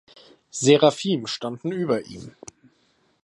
Serafim standen über ihm.